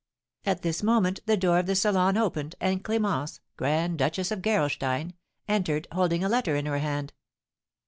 At this moment the door of the salon opened, and Clémence, grand duchess of Gerolstein, entered, holding a letter in her hand.